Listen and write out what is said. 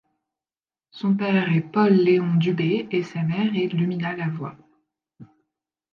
Son père est Paul Léon Dubé et sa mère est Lumina Lavoie.